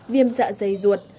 viêm dạ dày ruột